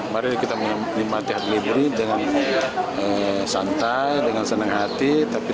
mari kita mengikmati hari libur dengan santai dengan senang hati